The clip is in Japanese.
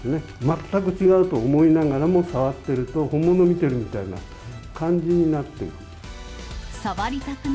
全く違うと思いながらも、触ってると、本物見てるみたいな感じになっていく。